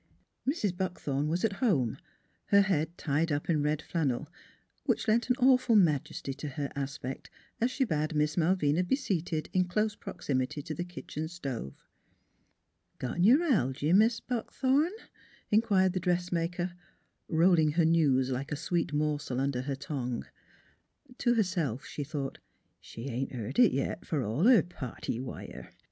Ill MRS. BUCKTHORN was at home, her head tied up in red flannel, which lent an awful majesty to her aspect as she bade Miss Malvina be seated in close proximity to the kitchen stove. " Got neu'ralgy, Mis' Buckthorn? " inquired the dressmaker, rolling her news like a sweet morsel under her tongue. To herself she thought: " She ain't beared it yit, f'r all her party wire."